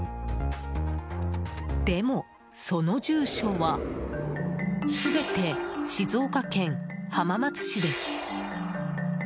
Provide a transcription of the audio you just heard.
でも、その住所は全て静岡県浜松市です。